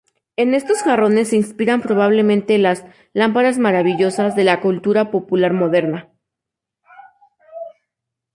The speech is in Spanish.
En estos jarrones se inspiran probablemente las "lámparas maravillosas" de la cultura popular moderna.